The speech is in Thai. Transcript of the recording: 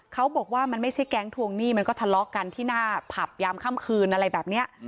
เขาบอกว่ามันไม่ใช่แก๊งทวงหนี้มันก็ทะเลาะกันที่หน้าผับยามค่ำคืนอะไรแบบนี้